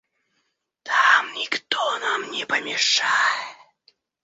Там никто нам не помешает».